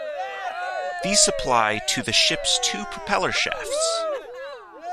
These supply to the ship's two propeller shafts.